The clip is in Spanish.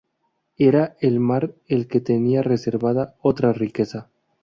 Era el mar el que tenía reservada otra riqueza.